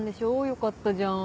よかったじゃん。